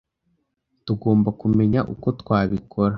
Tugomba kumenya uko twabikora.